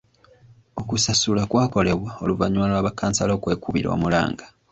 Okusasula kwakolebwa oluvannyuma lwa ba kkansala okwekubira omulanga.